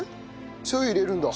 しょう油入れるんだ。